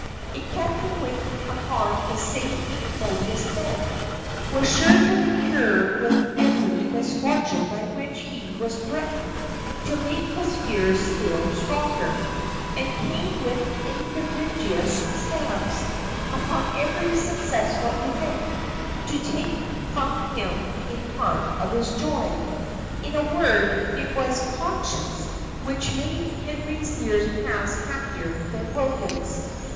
It kept him waking upon his safe and commodious bed; was sure to recur with every misfortune by which he was threatened to make his fears still stronger, and came with invidious stabs, upon every successful event, to take from him a part of his joy. In a word, it was conscience which made Henry's years pass happier than William's.